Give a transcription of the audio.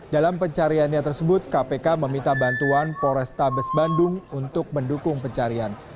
dalam pencariannya tersebut kpk meminta bantuan polrestabes bandung untuk mendukung pencarian